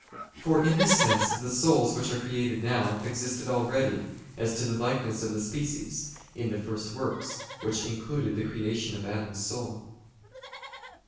For in this sense, the souls which are created now, existed already, as to the likeness of the species, in the first works, which included the creation of Adam's soul.